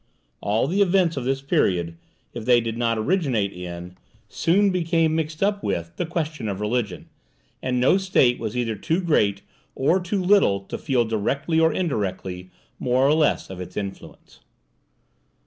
All the events of this period, if they did not originate in, soon became mixed up with, the question of religion, and no state was either too great or too little to feel directly or indirectly more or less of its influence.